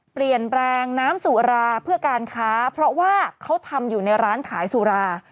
เปลี่ยนแปลงน้ำสุราเพื่อการค้าเพราะว่าเขาทำอยู่ในร้านขายสุรา